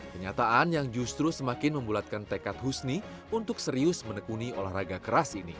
kenyataan yang justru semakin membulatkan tekad husni untuk serius menekuni olahraga keras ini